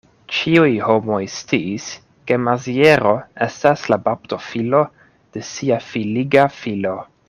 Ĉiuj homoj sciis, ke Maziero estas la baptofilo de sia filiga filo.